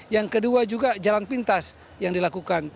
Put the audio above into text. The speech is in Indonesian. yang kedua juga jalan pintas yang dilakukan